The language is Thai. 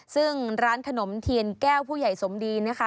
ซึ่งร้านขนมเทียนแก้วผู้ใหญ่สมดีนะคะ